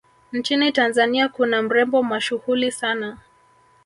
nchini tanzania kuna mrembo mashuhuli sana